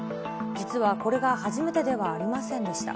実はこれが初めてではありませんでした。